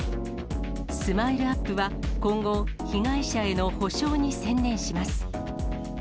スマイルアップは今後、被害者への補償に専念します。